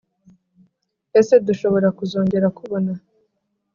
Ese dushobora kuzongera kubona